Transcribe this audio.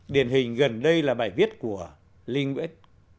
điển hình gần đây là bài viết của linh nguyễn